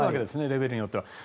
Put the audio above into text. レベルによっては。